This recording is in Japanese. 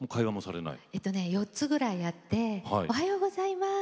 ４つぐらいあって「おはようございます」